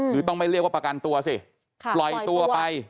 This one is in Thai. คือต้องไม่เรียกว่าประกันตัวสิปล่อยตัวไป